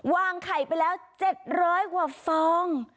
วางไข่ไปแล้ว๗๐๐กว่าฟอง